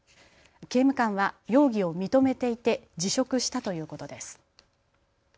刑務官は容疑を認めていて辞職したということです。